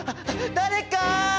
誰か！